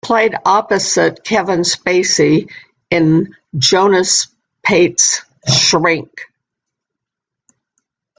She played opposite Kevin Spacey in Jonas Pate's "Shrink".